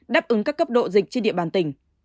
đáp ứng các cấp độ dịch trên địa bàn tỉnh